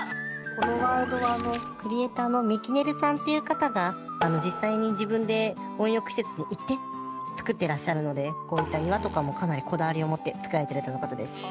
このワールドはクリエイターのみきねるさんっていう方が実際に自分で温浴施設に行って作ってらっしゃるのでこういった岩とかもかなりこだわりを持って作られてるとの事です。